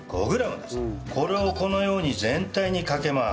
これをこのように全体にかけます。